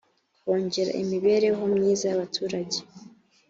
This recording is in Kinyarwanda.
kongera imibereho myiza y‘abaturage.